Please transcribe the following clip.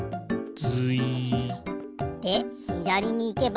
ズイッ。でひだりにいけば。